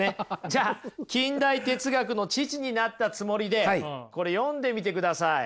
じゃあ近代哲学の父になったつもりでこれ読んでみてください。